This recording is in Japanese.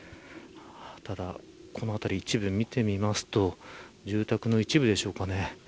ただ、この辺り一部見てみますと住宅の一部でしょうか。